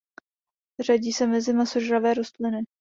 Řadí se mezi masožravé rostliny.